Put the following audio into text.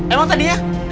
emang tadi ya